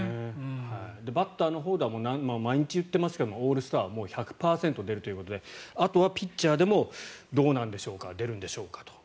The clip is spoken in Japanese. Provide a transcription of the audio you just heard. バッターのほうでは毎日言っていますけどオールスターは１００％出るということであとはピッチャーでもどうなんでしょうか出るんでしょうかという。